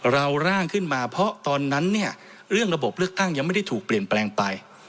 ร่างขึ้นมาเพราะตอนนั้นเนี่ยเรื่องระบบเลือกตั้งยังไม่ได้ถูกเปลี่ยนแปลงไป